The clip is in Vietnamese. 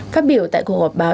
phát biểu tại cuộc họp báo